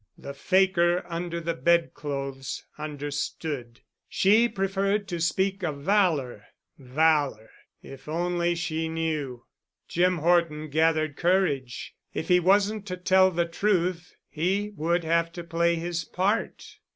The fakir under the bed clothes understood. She preferred to speak of valor. Valor! If she only knew! Jim Horton gathered courage. If he wasn't to tell the truth he would have to play his part.